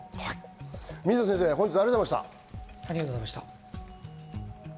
水野先生ありがとうございました。